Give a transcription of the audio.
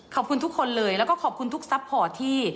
ขอบคุณทุกคนเลยแล้วก็ขอบคุณทุกซัพพอร์ตที่